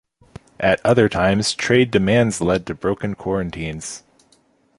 At other times, trade demands led to broken quarantines.